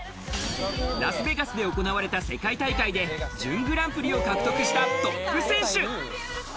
ラスベガスで行われた世界大会で、準グランプリを獲得したトップ選手。